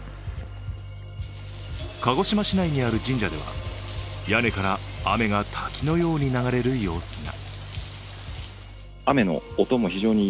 鹿児島市内にある神社では屋根から雨が滝のように流れる様子が。